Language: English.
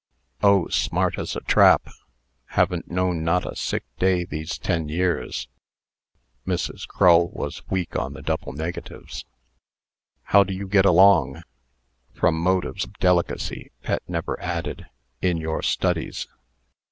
"Oh! smart as a trap. Haven't known not a sick day these ten years." (Mrs. Crull was weak on the double negatives.) "How do you get along?" From motives of delicacy, Pet never added, "in your studies."